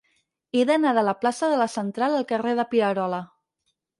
He d'anar de la plaça de la Central al carrer de Pierola.